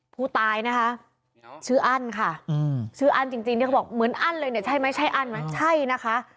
ผู้ตายนะคะชื่ออั้นค่ะชื่ออั้นจริงที่เขาบอกเหมือนอั้นเลยเนี่ยใช่ไหมใช่อั้นไหมใช่นะคะ